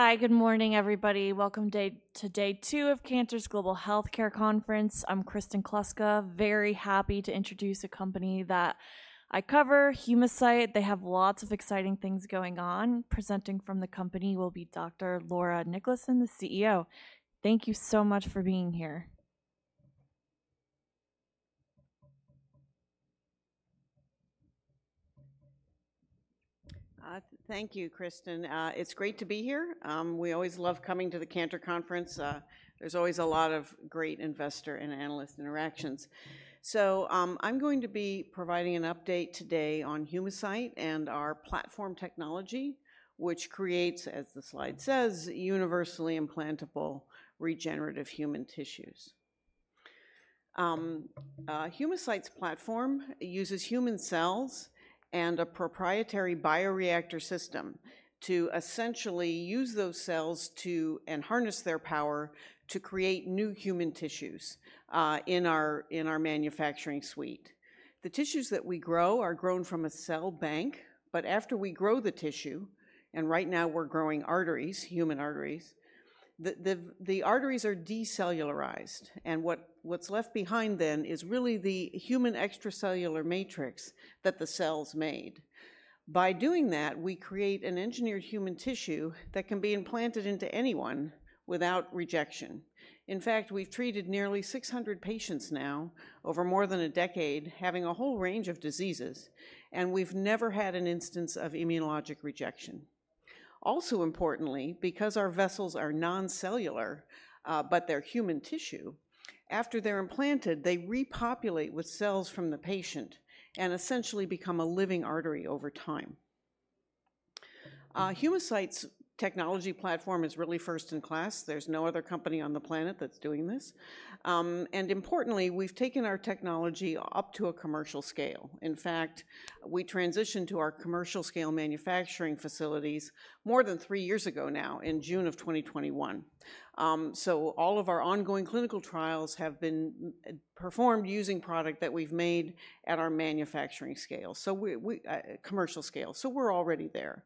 Hi, good morning, everybody. Welcome to day two of Cantor's Global Healthcare Conference. I'm Kristen Kluska. Very happy to introduce a company that I cover, Humacyte. They have lots of exciting things going on. Presenting from the company will be Dr. Laura Niklason, the CEO. Thank you so much for being here. Thank you, Kristen. It's great to be here. We always love coming to the Cantor conference. There's always a lot of great investor and analyst interactions. So, I'm going to be providing an update today on Humacyte and our platform technology, which creates, as the slide says, universally implantable regenerative human tissues. Humacyte's platform uses human cells and a proprietary bioreactor system to essentially use those cells to, and harness their power, to create new human tissues, in our manufacturing suite. The tissues that we grow are grown from a cell bank, but after we grow the tissue, and right now we're growing arteries, human arteries, the arteries are decellularized, and what's left behind then is really the human extracellular matrix that the cells made. By doing that, we create an engineered human tissue that can be implanted into anyone without rejection. In fact, we've treated nearly 600 patients now over more than a decade, having a whole range of diseases, and we've never had an instance of immunologic rejection. Also importantly, because our vessels are non-cellular, but they're human tissue, after they're implanted, they repopulate with cells from the patient and essentially become a living artery over time. Humacyte's technology platform is really first in class. There's no other company on the planet that's doing this, and importantly, we've taken our technology up to a commercial scale. In fact, we transitioned to our commercial scale manufacturing facilities more than 3 years ago now, in June 2021. So all of our ongoing clinical trials have been performed using product that we've made at our manufacturing scale, so we commercial scale, so we're already there.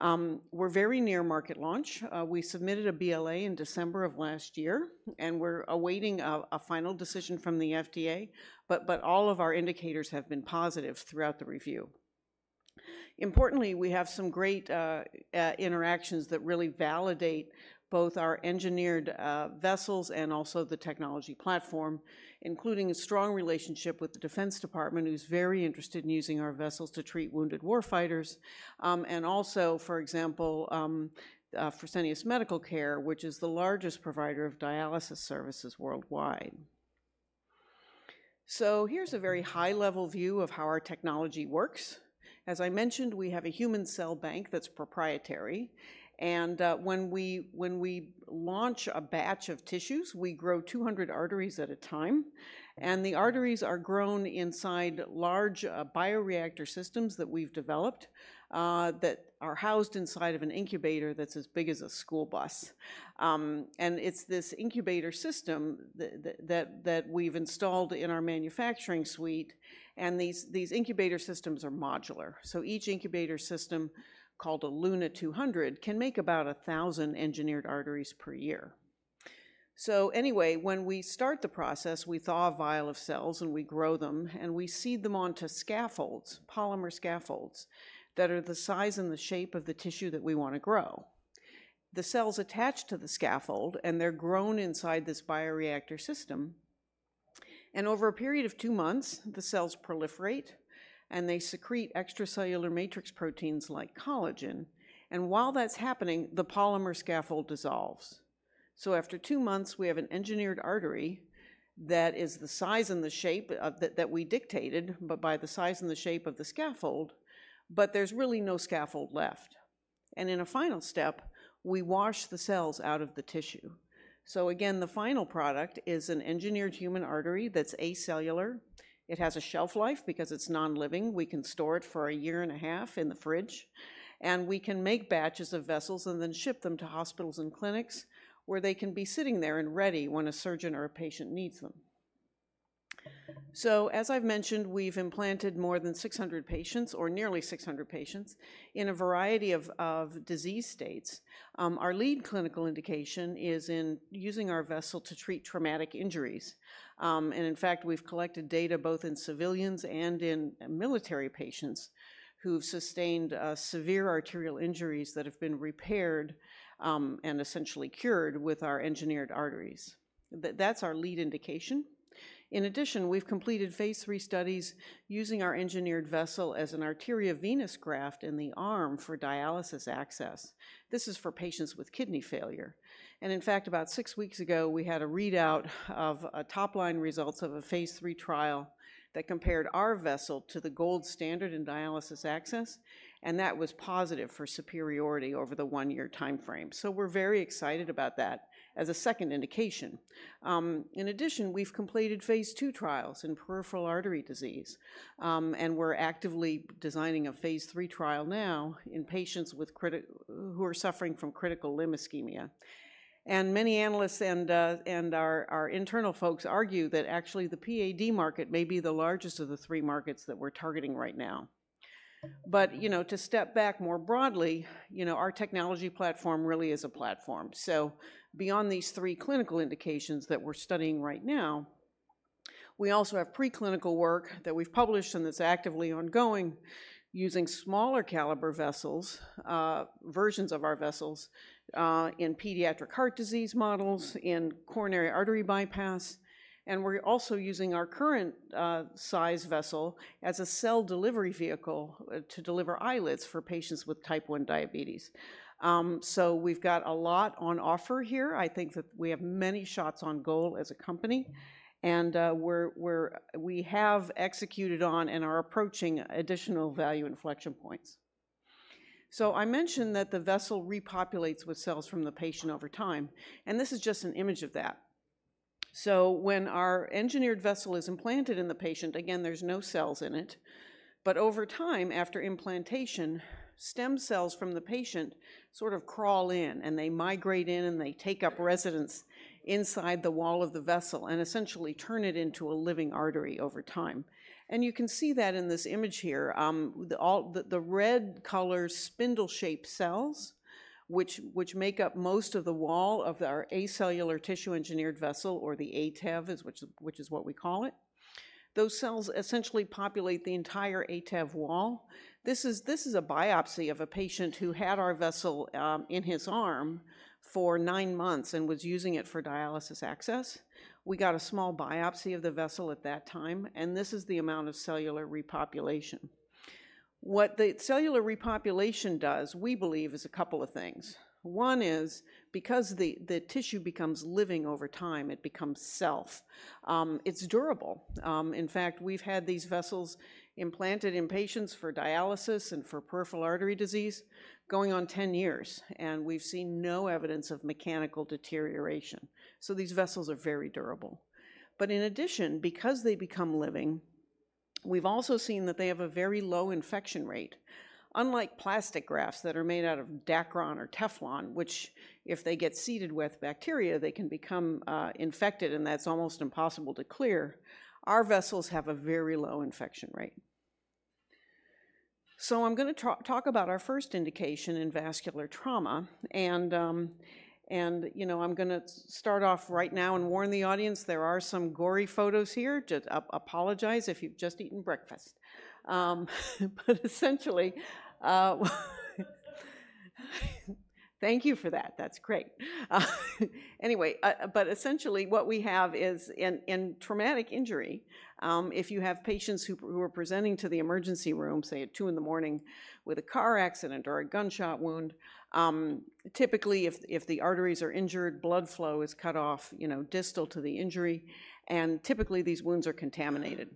We're very near market launch. We submitted a BLA in December of last year, and we're awaiting a final decision from the FDA, but all of our indicators have been positive throughout the review. Importantly, we have some great interactions that really validate both our engineered vessels and also the technology platform, including a strong relationship with the Department of Defense, who's very interested in using our vessels to treat wounded warfighters, and also, for example, Fresenius Medical Care, which is the largest provider of dialysis services worldwide, so here's a very high-level view of how our technology works. As I mentioned, we have a human cell bank that's proprietary, and when we launch a batch of tissues, we grow 200 arteries at a time, and the arteries are grown inside large bioreactor systems that we've developed that are housed inside of an incubator that's as big as a school bus. It's this incubator system that we've installed in our manufacturing suite, and these incubator systems are modular, so each incubator system, called a LUNA200, can make about 1,000 engineered arteries per year, so anyway, when we start the process, we thaw a vial of cells, and we grow them, and we seed them onto scaffolds, polymer scaffolds, that are the size and the shape of the tissue that we want to grow. The cells attach to the scaffold, and they're grown inside this bioreactor system, and over a period of two months, the cells proliferate, and they secrete extracellular matrix proteins like collagen, and while that's happening, the polymer scaffold dissolves. After two months, we have an engineered artery that is the size and the shape of that we dictated, but by the size and the shape of the scaffold, but there's really no scaffold left. In a final step, we wash the cells out of the tissue. Again, the final product is an engineered human artery that's acellular. It has a shelf life because it's non-living. We can store it for a year and a half in the fridge, and we can make batches of vessels and then ship them to hospitals and clinics, where they can be sitting there and ready when a surgeon or a patient needs them. So as I've mentioned, we've implanted more than 600 patients, or nearly 600 patients, in a variety of disease states. Our lead clinical indication is in using our vessel to treat traumatic injuries. And in fact, we've collected data both in civilians and in military patients who've sustained severe arterial injuries that have been repaired and essentially cured with our engineered arteries. That's our lead indication. In addition, we've completed phase III studies using our engineered vessel as an arteriovenous graft in the arm for dialysis access. This is for patients with kidney failure, and in fact, about six weeks ago, we had a readout of top-line results of a phase III trial that compared our vessel to the gold standard in dialysis access, and that was positive for superiority over the one-year timeframe. So we're very excited about that as a second indication. In addition, we've completed phase II trials in peripheral artery disease, and we're actively designing a phase III trial now in patients who are suffering from critical limb ischemia. And many analysts and our internal folks argue that actually the PAD market may be the largest of the three markets that we're targeting right now. But, you know, to step back more broadly, you know, our technology platform really is a platform. So beyond these three clinical indications that we're studying right now, we also have preclinical work that we've published and that's actively ongoing, using smaller caliber vessels, versions of our vessels, in pediatric heart disease models, in coronary artery bypass, and we're also using our current size vessel as a cell delivery vehicle to deliver islets for patients with Type 1 diabetes, so we've got a lot on offer here. I think that we have many shots on goal as a company, and we have executed on and are approaching additional value inflection points, so I mentioned that the vessel repopulates with cells from the patient over time, and this is just an image of that. So when our engineered vessel is implanted in the patient, again, there's no cells in it, but over time, after implantation, stem cells from the patient sort of crawl in, and they migrate in, and they take up residence inside the wall of the vessel and essentially turn it into a living artery over time. And you can see that in this image here. The red color, spindle-shaped cells, which make up most of the wall of our acellular tissue engineered vessel or the ATEV, which is what we call it. Those cells essentially populate the entire ATEV wall. This is a biopsy of a patient who had our vessel in his arm for nine months and was using it for dialysis access. We got a small biopsy of the vessel at that time, and this is the amount of cellular repopulation. What the cellular repopulation does, we believe, is a couple of things. One is because the tissue becomes living over time, it becomes self. It's durable. In fact, we've had these vessels implanted in patients for dialysis and for peripheral artery disease going on 10 years, and we've seen no evidence of mechanical deterioration. So these vessels are very durable. But in addition, because they become living, we've also seen that they have a very low infection rate. Unlike plastic grafts that are made out of Dacron or Teflon, which, if they get seeded with bacteria, they can become infected, and that's almost impossible to clear. Our vessels have a very low infection rate. So I'm gonna talk about our first indication in vascular trauma and, you know, I'm gonna start off right now and warn the audience there are some gory photos here. Just apologize if you've just eaten breakfast. But essentially, thank you for that. That's great. Anyway, but essentially, what we have is in traumatic injury, if you have patients who are presenting to the emergency room, say, at 2:00 A.M. in the morning with a car accident or a gunshot wound, typically, if the arteries are injured, blood flow is cut off, you know, distal to the injury, and typically, these wounds are contaminated.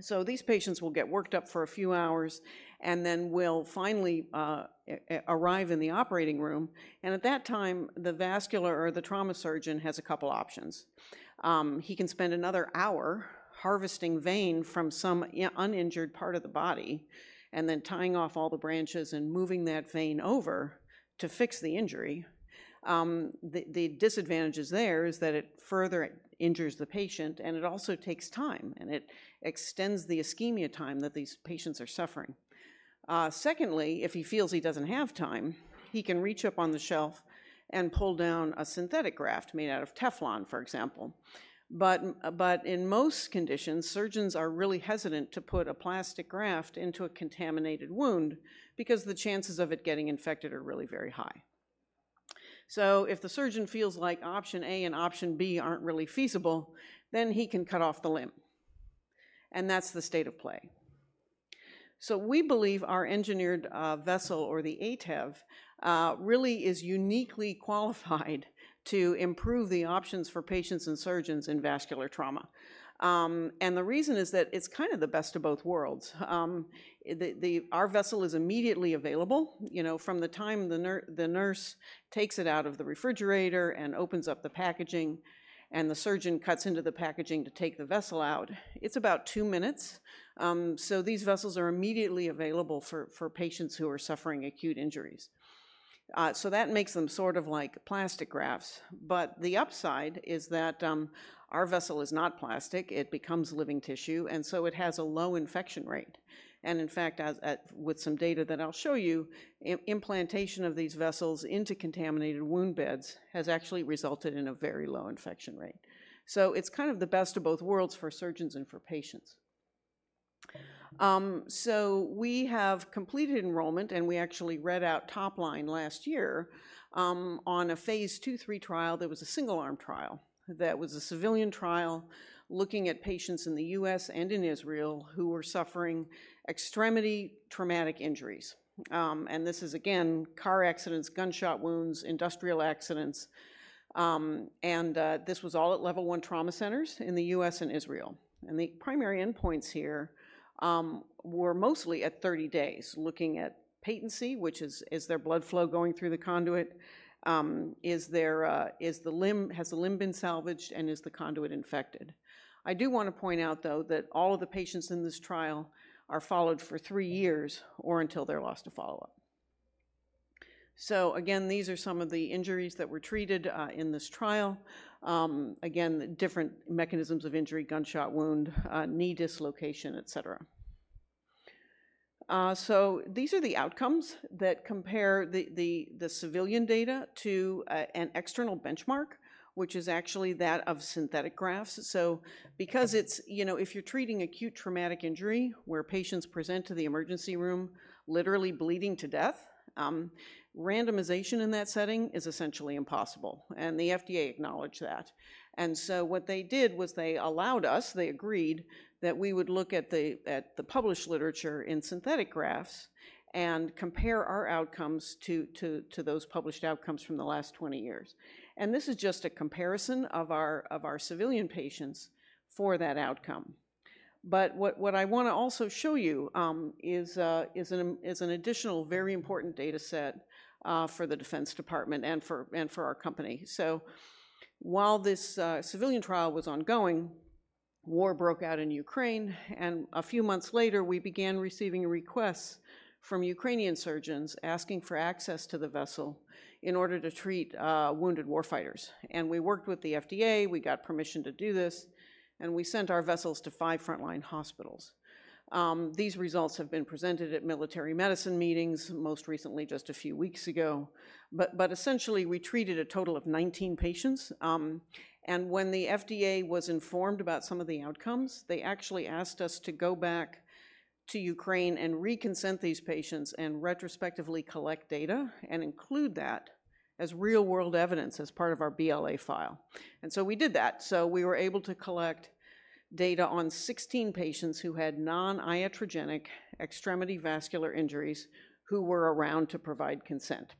So these patients will get worked up for a few hours and then will finally arrive in the operating room, and at that time, the vascular or the trauma surgeon has a couple options. He can spend another hour harvesting vein from some uninjured part of the body and then tying off all the branches and moving that vein over to fix the injury. The disadvantages there is that it further injures the patient, and it also takes time, and it extends the ischemia time that these patients are suffering. Secondly, if he feels he doesn't have time, he can reach up on the shelf and pull down a synthetic graft made out of Teflon, for example. In most conditions, surgeons are really hesitant to put a plastic graft into a contaminated wound because the chances of it getting infected are really very high, so if the surgeon feels like option A and option B aren't really feasible, then he can cut off the limb, and that's the state of play, so we believe our engineered vessel or the ATEV really is uniquely qualified to improve the options for patients and surgeons in vascular trauma, and the reason is that it's kind of the best of both worlds. Our vessel is immediately available, you know, from the time the nurse takes it out of the refrigerator and opens up the packaging, and the surgeon cuts into the packaging to take the vessel out. It's about two minutes. So these vessels are immediately available for patients who are suffering acute injuries. So that makes them sort of like plastic grafts, but the upside is that, our vessel is not plastic. It becomes living tissue, and so it has a low infection rate. And in fact, with some data that I'll show you, implantation of these vessels into contaminated wound beds has actually resulted in a very low infection rate. So it's kind of the best of both worlds for surgeons and for patients. So we have completed enrollment, and we actually read out top line last year, on a phase II/III trial. That was a single-arm trial. That was a civilian trial, looking at patients in the U.S. and in Israel who were suffering extremity traumatic injuries. And this is again car accidents, gunshot wounds, industrial accidents, and this was all at Level I trauma centers in the U.S. and Israel. And the primary endpoints here were mostly at 30 days, looking at patency, which is: Is there blood flow going through the conduit? Has the limb been salvaged, and is the conduit infected? I do want to point out, though, that all of the patients in this trial are followed for 3 years or until they're lost to follow up... So again, these are some of the injuries that were treated in this trial. Again, different mechanisms of injury, gunshot wound, knee dislocation, et cetera. So these are the outcomes that compare the civilian data to an external benchmark, which is actually that of synthetic grafts. Because it's, you know, if you're treating acute traumatic injury, where patients present to the emergency room, literally bleeding to death, randomization in that setting is essentially impossible, and the FDA acknowledged that. What they did was they allowed us. They agreed that we would look at the published literature in synthetic grafts and compare our outcomes to those published outcomes from the last 20 years. This is just a comparison of our civilian patients for that outcome. What I wanna also show you is an additional, very important data set for the Defense Department and for our company. While this civilian trial was ongoing, war broke out in Ukraine, and a few months later, we began receiving requests from Ukrainian surgeons asking for access to the vessel in order to treat wounded warfighters. We worked with the FDA, we got permission to do this, and we sent our vessels to five frontline hospitals. These results have been presented at military medicine meetings, most recently just a few weeks ago. Essentially, we treated a total of nineteen patients, and when the FDA was informed about some of the outcomes, they actually asked us to go back to Ukraine and re-consent these patients and retrospectively collect data and include that as real-world evidence as part of our BLA file. We did that. So we were able to collect data on 16 patients who had non-iatrogenic extremity vascular injuries, who were around to provide consent.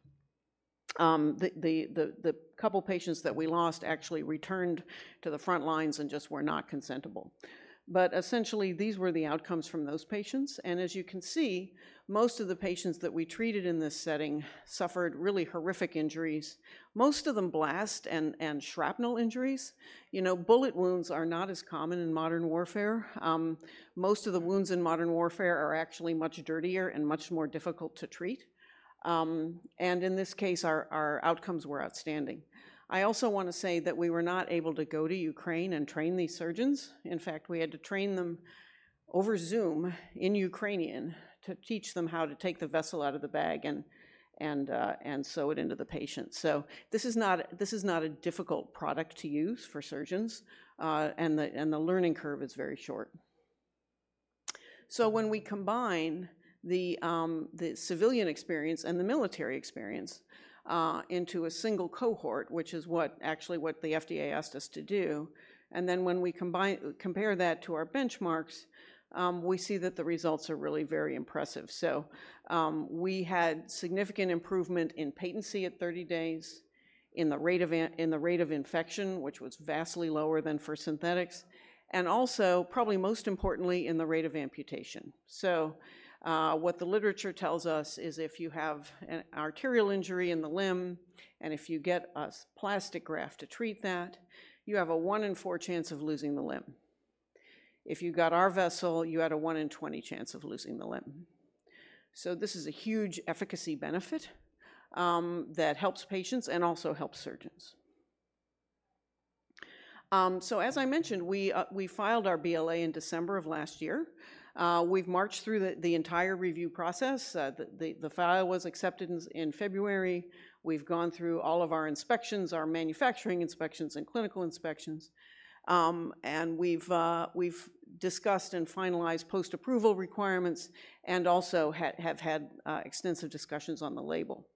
The couple patients that we lost actually returned to the front lines and just were not consentable. But essentially, these were the outcomes from those patients, and as you can see, most of the patients that we treated in this setting suffered really horrific injuries, most of them blast and shrapnel injuries. You know, bullet wounds are not as common in modern warfare. Most of the wounds in modern warfare are actually much dirtier and much more difficult to treat. And in this case, our outcomes were outstanding. I also want to say that we were not able to go to Ukraine and train these surgeons. In fact, we had to train them over Zoom in Ukrainian to teach them how to take the vessel out of the bag and sew it into the patient. So this is not a difficult product to use for surgeons, and the learning curve is very short. So when we combine the civilian experience and the military experience into a single cohort, which is actually what the FDA asked us to do, and then when we compare that to our benchmarks, we see that the results are really very impressive. So, we had significant improvement in patency at 30 days, in the rate of infection, which was vastly lower than for synthetics, and also, probably most importantly, in the rate of amputation. What the literature tells us is if you have an arterial injury in the limb, and if you get a plastic graft to treat that, you have a one in four chance of losing the limb. If you got our vessel, you had a one in 20 chance of losing the limb. This is a huge efficacy benefit that helps patients and also helps surgeons. As I mentioned, we filed our BLA in December of last year. We've marched through the entire review process. The file was accepted in February. We've gone through all of our inspections, our manufacturing inspections and clinical inspections, and we've discussed and finalized post-approval requirements and also have had extensive discussions on the label.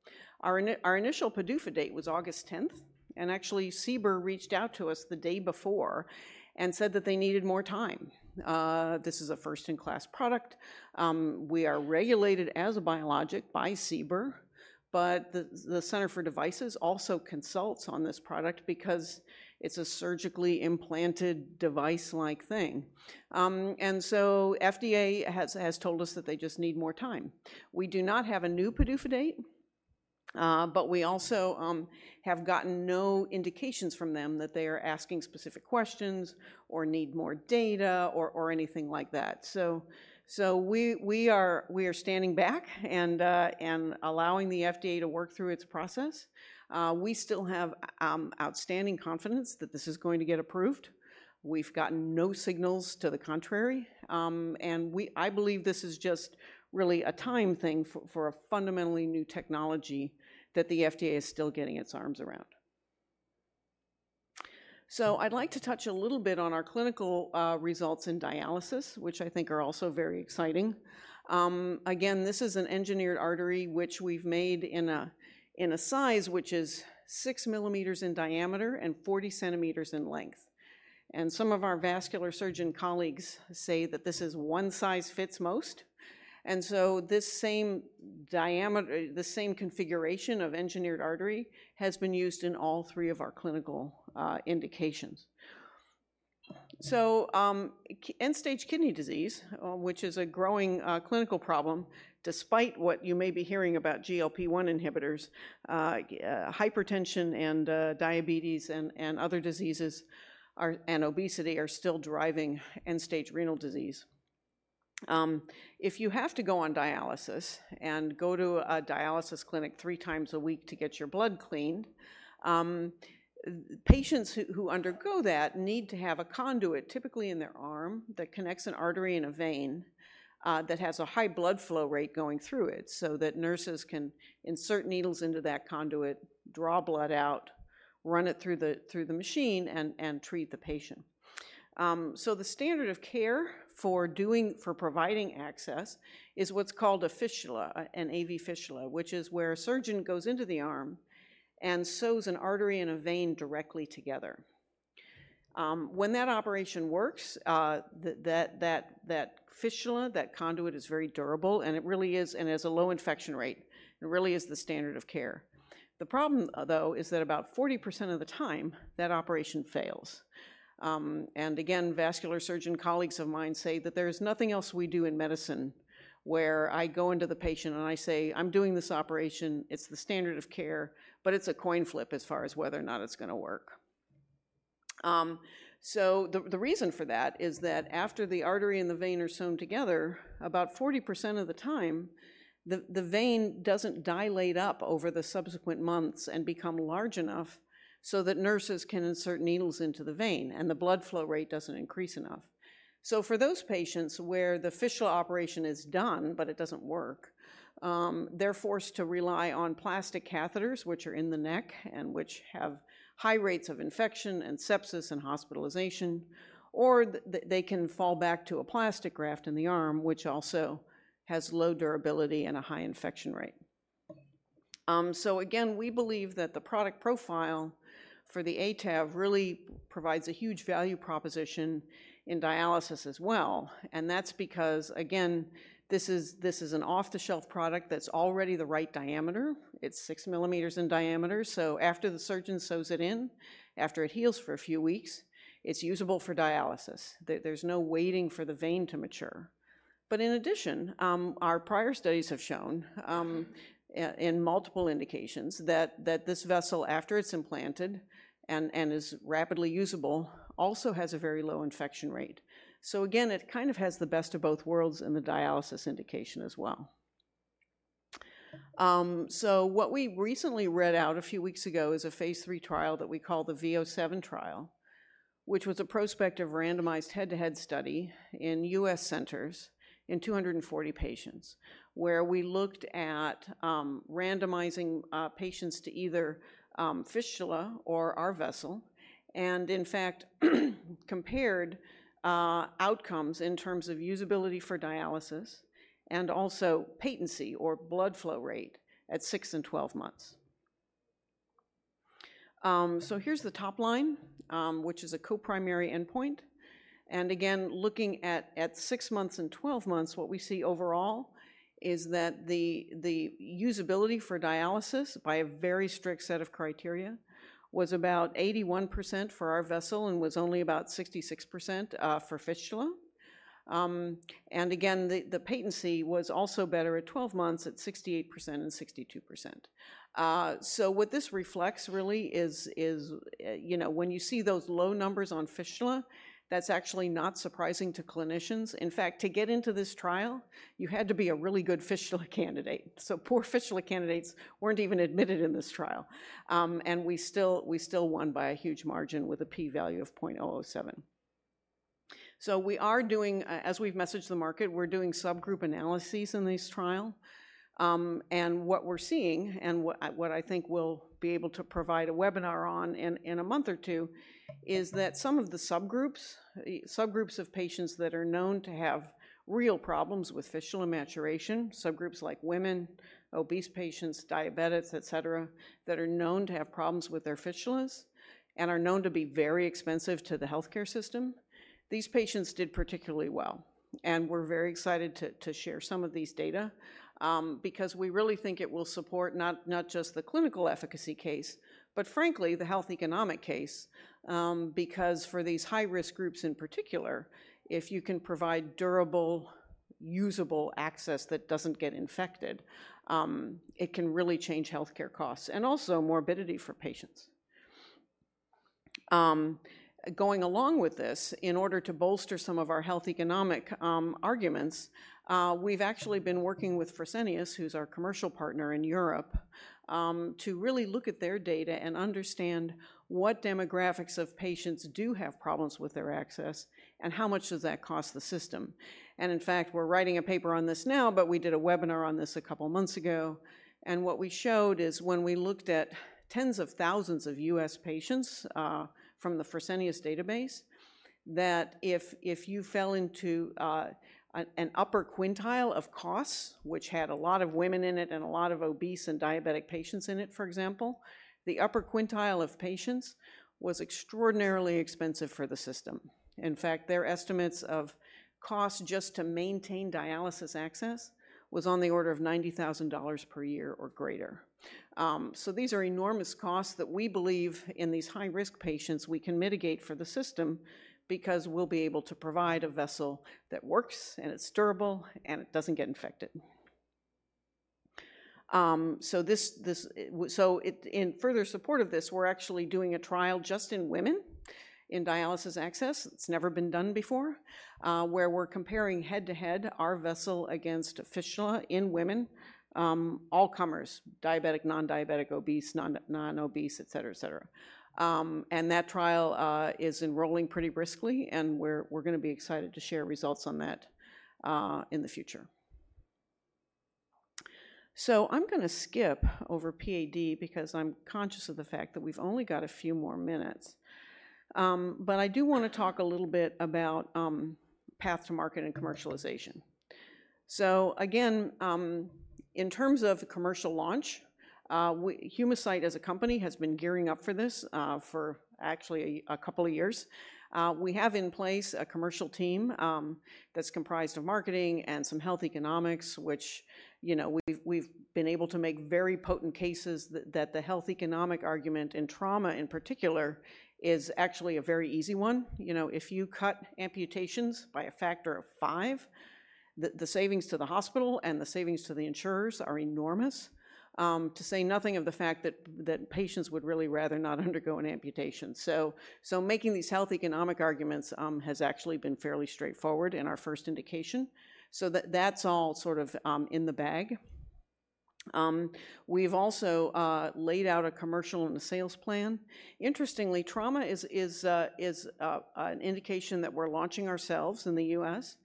Our initial PDUFA date was August tenth, and actually, CBER reached out to us the day before and said that they needed more time. This is a first-in-class product. We are regulated as a biologic by CBER, but the Center for Devices also consults on this product because it's a surgically implanted device-like thing, and so FDA has told us that they just need more time. We do not have a new PDUFA date, but we also have gotten no indications from them that they are asking specific questions or need more data or anything like that, so we are standing back and allowing the FDA to work through its process. We still have outstanding confidence that this is going to get approved. We've gotten no signals to the contrary, and I believe this is just really a time thing for a fundamentally new technology that the FDA is still getting its arms around, so I'd like to touch a little bit on our clinical results in dialysis, which I think are also very exciting. Again, this is an engineered artery, which we've made in a size which is 6 mm in diameter and 40 cm in length, and some of our vascular surgeon colleagues say that this is one size fits most, and so this same diameter, the same configuration of engineered artery has been used in all three of our clinical indications. So, end-stage kidney disease, which is a growing clinical problem, despite what you may be hearing about GLP-1 inhibitors, hypertension and diabetes and other diseases and obesity are still driving end-stage renal disease. If you have to go on dialysis and go to a dialysis clinic three times a week to get your blood cleaned, patients who undergo that need to have a conduit, typically in their arm, that connects an artery and a vein, that has a high blood flow rate going through it so that nurses can insert needles into that conduit, draw blood out, run it through the machine, and treat the patient. So the standard of care for providing access is what's called a fistula, an AV fistula, which is where a surgeon goes into the arm and sews an artery and a vein directly together. When that operation works, that fistula, that conduit is very durable, and it really is, and has a low infection rate, and really is the standard of care. The problem, though, is that about 40% of the time, that operation fails. And again, vascular surgeon colleagues of mine say that there is nothing else we do in medicine where I go into the patient, and I say, "I'm doing this operation. It's the standard of care," but it's a coin flip as far as whether or not it's gonna work. So the reason for that is that after the artery and the vein are sewn together, about 40% of the time, the vein doesn't dilate up over the subsequent months and become large enough so that nurses can insert needles into the vein, and the blood flow rate doesn't increase enough. So for those patients where the fistula operation is done, but it doesn't work, they're forced to rely on plastic catheters, which are in the neck, and which have high rates of infection, and sepsis, and hospitalization, or they can fall back to a plastic graft in the arm, which also has low durability and a high infection rate. So again, we believe that the product profile for the ATEV really provides a huge value proposition in dialysis as well, and that's because, again, this is an off-the-shelf product that's already the right diameter. It's 6 mm in diameter, so after the surgeon sews it in, after it heals for a few weeks, it's usable for dialysis. There's no waiting for the vein to mature. But in addition, our prior studies have shown in multiple indications that this vessel, after it's implanted and is rapidly usable, also has a very low infection rate. So again, it kind of has the best of both worlds in the dialysis indication as well. So what we recently read out a few weeks ago is a phase III trial that we call the V007 trial, which was a prospective, randomized, head-to-head study in U.S. centers in 240 patients, where we looked at randomizing patients to either fistula or our vessel, and in fact compared outcomes in terms of usability for dialysis and also patency or blood flow rate at 6 and 12 months. So here's the top line, which is a co-primary endpoint, and again looking at 6 months and 12 months, what we see overall is that the usability for dialysis by a very strict set of criteria was about 81% for our vessel and was only about 66% for fistula. And again, the patency was also better at twelve months at 68% and 62%. So what this reflects really is, you know, when you see those low numbers on fistula, that's actually not surprising to clinicians. In fact, to get into this trial, you had to be a really good fistula candidate. So poor fistula candidates weren't even admitted in this trial. And we still won by a huge margin with a P value of 0.007. So we are doing. As we've messaged the market, we're doing subgroup analyses in this trial. And what we're seeing, and what I think we'll be able to provide a webinar on in a month or two, is that some of the subgroups of patients that are known to have real problems with fistula maturation, like women, obese patients, diabetics, et cetera, that are known to have problems with their fistulas and are known to be very expensive to the healthcare system, these patients did particularly well. And we're very excited to share some of these data, because we really think it will support not just the clinical efficacy case, but frankly, the health economic case. Because for these high-risk groups in particular, if you can provide durable, usable access that doesn't get infected, it can really change healthcare costs and also morbidity for patients. Going along with this, in order to bolster some of our health economic arguments, we've actually been working with Fresenius, who's our commercial partner in Europe, to really look at their data and understand what demographics of patients do have problems with their access and how much does that cost the system. And in fact, we're writing a paper on this now, but we did a webinar on this a couple of months ago, and what we showed is when we looked at tens of thousands of U.S. patients from the Fresenius database, that if you fell into an upper quintile of costs, which had a lot of women in it and a lot of obese and diabetic patients in it, for example, the upper quintile of patients was extraordinarily expensive for the system. In fact, their estimates of cost just to maintain dialysis access was on the order of $90,000 per year or greater. So these are enormous costs that we believe in these high-risk patients we can mitigate for the system because we'll be able to provide a vessel that works, and it's durable, and it doesn't get infected. So in further support of this, we're actually doing a trial just in women in dialysis access. It's never been done before, where we're comparing head-to-head our vessel against fistula in women, all comers, diabetic, non-diabetic, obese, non-obese, et cetera, et cetera. And that trial is enrolling pretty briskly, and we're gonna be excited to share results on that in the future. So I'm gonna skip over PAD because I'm conscious of the fact that we've only got a few more minutes. But I do wanna talk a little bit about path to market and commercialization. So again, in terms of commercial launch, Humacyte as a company has been gearing up for this, for actually a couple of years. We have in place a commercial team, that's comprised of marketing and some health economics, which, you know, we've been able to make very potent cases that the health economic argument in trauma, in particular, is actually a very easy one. You know, if you cut amputations by a factor of five, the savings to the hospital and the savings to the insurers are enormous, to say nothing of the fact that patients would really rather not undergo an amputation. So making these health economic arguments has actually been fairly straightforward in our first indication. So that's all sort of in the bag. We've also laid out a commercial and a sales plan. Interestingly, trauma is an indication that we're launching ourselves in the U.S.,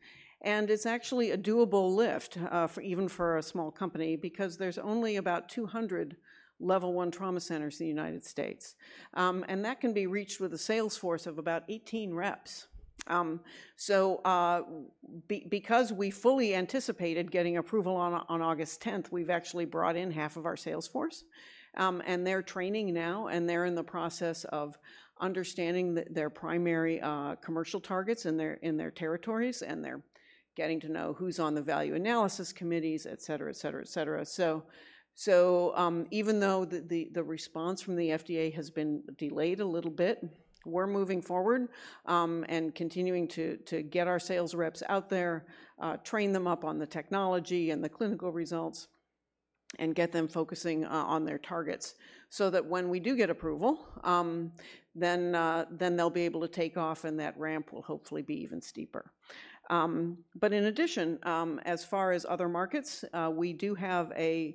and it's actually a doable lift for even a small company because there's only about 200 Level I trauma centers in the United States. And that can be reached with a sales force of about 18 reps. Because we fully anticipated getting approval on August tenth, we've actually brought in half of our sales force. And they're training now, and they're in the process of understanding their primary commercial targets in their territories, and they're getting to know who's on the value analysis committees, et cetera, et cetera, et cetera. Even though the response from the FDA has been delayed a little bit, we're moving forward, and continuing to get our sales reps out there, train them up on the technology and the clinical results, and get them focusing on their targets so that when we do get approval, then they'll be able to take off, and that ramp will hopefully be even steeper. But in addition, as far as other markets, we do have a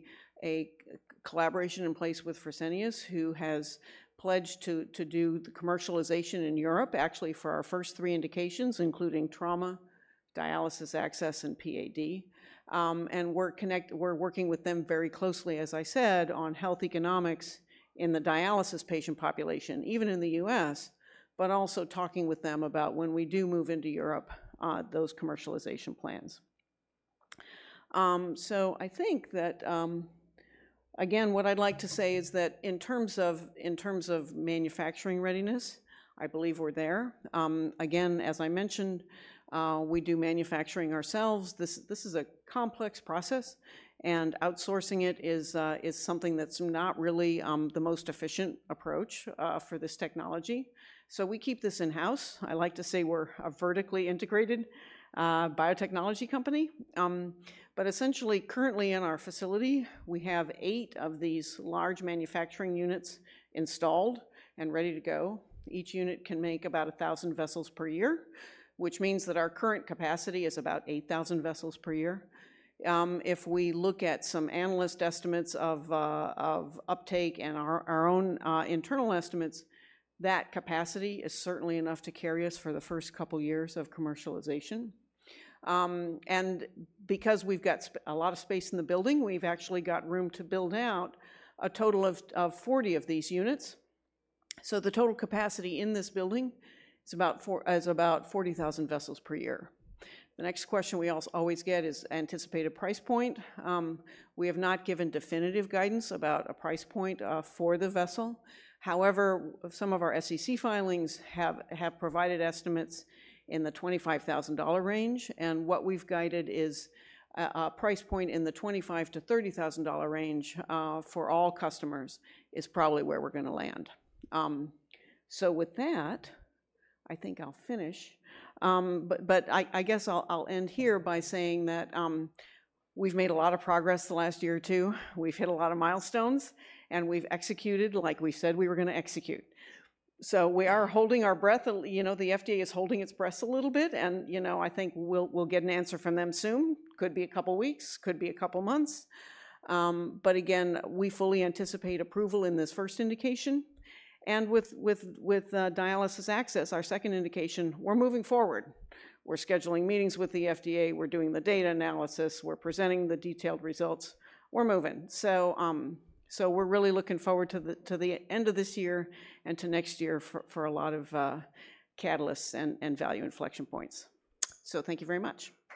collaboration in place with Fresenius, who has pledged to do the commercialization in Europe, actually for our first three indications, including trauma, dialysis access, and PAD. And we're working with them very closely, as I said, on health economics in the dialysis patient population, even in the U.S., but also talking with them about when we do move into Europe, those commercialization plans. So I think that. Again, what I'd like to say is that in terms of manufacturing readiness, I believe we're there. Again, as I mentioned, we do manufacturing ourselves. This is a complex process, and outsourcing it is something that's not really the most efficient approach for this technology, so we keep this in-house. I like to say we're a vertically integrated biotechnology company, but essentially, currently in our facility, we have eight of these large manufacturing units installed and ready to go. Each unit can make about 1,000 vessels per year, which means that our current capacity is about 8,000 vessels per year. If we look at some analyst estimates of uptake and our own internal estimates, that capacity is certainly enough to carry us for the first couple of years of commercialization, and because we've got a lot of space in the building, we've actually got room to build out a total of 40 of these units, so the total capacity in this building is about 40,000 vessels per year. The next question we always get is anticipated price point. We have not given definitive guidance about a price point for the vessel. However, some of our SEC filings have provided estimates in the $25,000 range, and what we've guided is a price point in the $25,000-$30,000 range for all customers, is probably where we're gonna land. So with that, I think I'll finish. But I guess I'll end here by saying that we've made a lot of progress the last year or two. We've hit a lot of milestones, and we've executed like we said we were gonna execute. So we are holding our breath. You know, the FDA is holding its breath a little bit, and you know, I think we'll get an answer from them soon. Could be a couple of weeks, could be a couple of months. But again, we fully anticipate approval in this first indication. And with dialysis access, our second indication, we're moving forward. We're scheduling meetings with the FDA. We're doing the data analysis. We're presenting the detailed results. We're moving. So we're really looking forward to the end of this year and to next year for a lot of catalysts and value inflection points. So thank you very much.